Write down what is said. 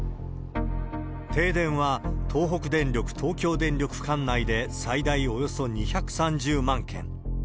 停電は東北電力、東京電力管内で最大およそ２３０万軒。